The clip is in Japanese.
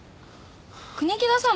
国木田さん